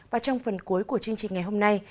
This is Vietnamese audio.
và trong phần cuối của chương trình ngày hôm nay